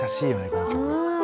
この曲。